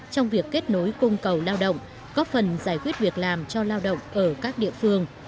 trong việc kết nối cung cầu lao động góp phần giải quyết việc làm cho lao động ở các địa phương